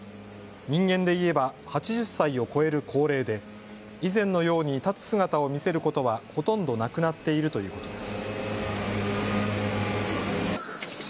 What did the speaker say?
人間で言えば８０歳を超える高齢で以前のように立つ姿を見せることは、ほとんどなくなっているということです。